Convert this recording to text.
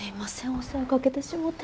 お世話かけてしもて。